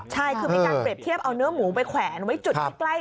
ใช่คือมีการเปรียบเทียบเอาเนื้อหมูไปแขวนไว้จุดใกล้